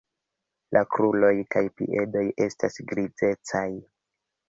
La kruroj kaj piedoj estas grizecaj.